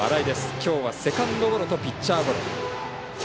きょうはセカンドゴロとピッチャーゴロ。